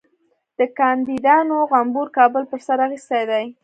د کاندیدانو غومبر کابل پر سر اخیستی دی.